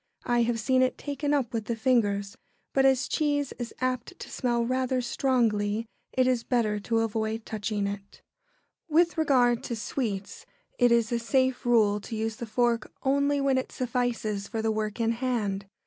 I have seen it taken up with the fingers, but as cheese is apt to smell rather strongly it is better to avoid touching it. [Sidenote: A safe rule with sweets.] With regard to sweets, it is a safe rule to use the fork only when it suffices for the work in hand.